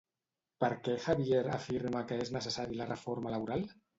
Per què Javier afirma que és necessari la reforma laboral?